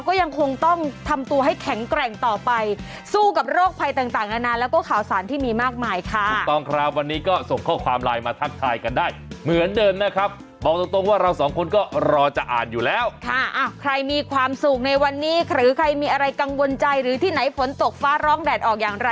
ก็ยังคงต้องทำตัวให้แข็งแกร่งต่อไปสู้กับโรคภัยต่างต่างนานาแล้วก็ข่าวสารที่มีมากมายค่ะถูกต้องครับวันนี้ก็ส่งข้อความไลน์มาทักทายกันได้เหมือนเดิมนะครับบอกตรงตรงว่าเราสองคนก็รอจะอ่านอยู่แล้วค่ะใครมีความสุขในวันนี้หรือใครมีอะไรกังวลใจหรือที่ไหนฝนตกฟ้าร้องแดดออกอย่างไร